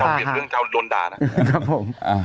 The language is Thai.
เช้าเปลี่ยนเรื่องเช้าโดนด่านะ